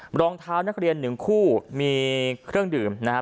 รองเท้านักเรียนหนึ่งคู่มีเครื่องดื่มนะครับ